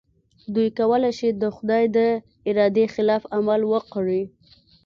دوی کولای شي د خدای د ارادې خلاف عمل وکړي.